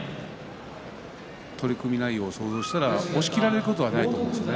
取組内容を想像したら押しきられることはないと思うんですよね